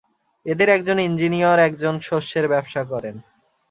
এঁদের একজন ইঞ্জিনীয়র, আর একজন শস্যের ব্যবসা করেন।